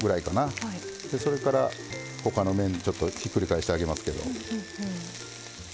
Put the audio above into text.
それから他の面にちょっとひっくり返してあげますけど。